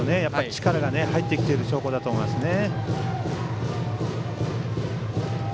力が入ってきている証拠だと思いますね。